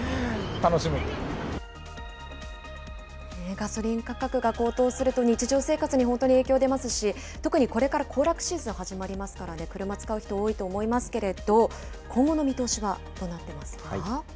ガソリン価格が高騰すると、日常生活に本当に影響出ますし、特にこれから行楽シーズン、始まりますからね、車使う人多いと思いますけれども、今後の見通しはどうなってますか。